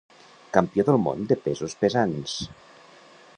Campió del món de pesos pesants.